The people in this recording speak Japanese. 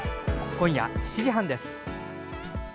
今夜７時半です。